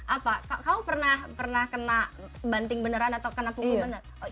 apa kamu pernah kena banting beneran atau kena kuku bener